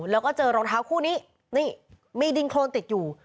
แล้วก็เจอรองเท้าคู่นี้นี่มีดินโครนติดอยู่